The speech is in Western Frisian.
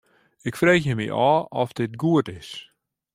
Ik freegje my ôf oft dit goed is.